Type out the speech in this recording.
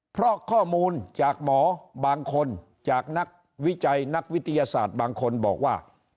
เพราะข้อมูลจากหมอบางคนจากนักวิจัยนักวิทยาศาสตร์บางคนบอกว่า